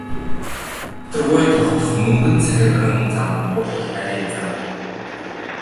Огторгуйд тогтох мөнгөн цагирган зам дурлал хайрын зам.